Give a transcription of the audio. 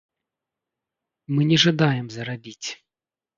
Мы не жадаем зарабіць!